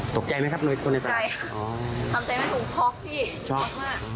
ตกใจไหมครับน้วยคนในตราใช่ครับทำใจไม่ถูกช็อกพี่ช็อกมาก